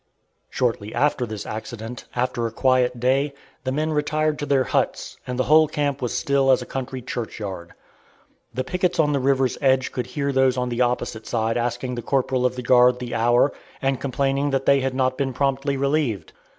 Shortly after this accident, after a quiet day, the men retired to their huts, and the whole camp was still as a country church yard. The pickets on the river's edge could hear those on the opposite side asking the corporal of the guard the hour, and complaining that they had not been promptly relieved.